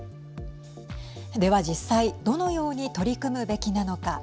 では、実際どのように取り組むべきなのか。